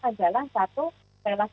adalah satu relasi